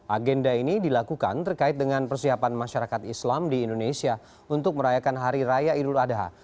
agenda ini dilakukan terkait dengan persiapan masyarakat islam di indonesia untuk merayakan hari raya idul adha